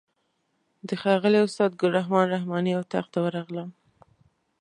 د ښاغلي استاد ګل رحمن رحماني اتاق ته ورغلم.